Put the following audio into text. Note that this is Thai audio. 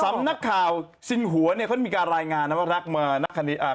สำนักข่าวซิงหัวเขามีการรายงานว่า